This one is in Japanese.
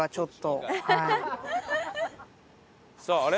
さああれ。